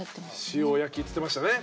塩焼きっつってましたね。